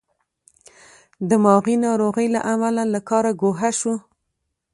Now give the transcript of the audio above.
دماغې ناروغۍ له امله له کاره ګوښه شو.